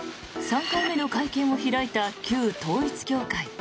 ３回目の会見を開いた旧統一教会。